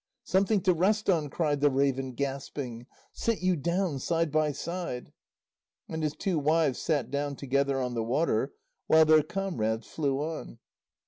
"Something to rest on!" cried the raven, gasping. "Sit you down side by side." And his two wives sat down together on the water, while their comrades flew on.